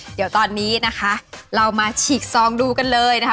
เดี๋ยวตอนนี้นะคะเรามาฉีกซองดูกันเลยนะคะ